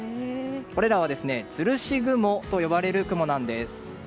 これらは、つるし雲と呼ばれる雲なんです。